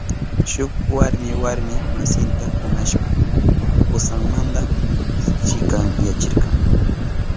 Shuk warmi warmi masinta kunashpan kusanmanta chikanyachirka.